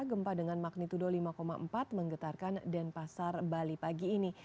gempa dengan magnitudo lima empat menggetarkan denpasar bali pagi ini